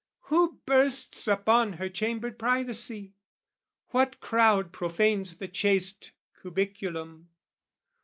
Who bursts upon her chambered privacy? What crowd profanes the chaste cubiculum?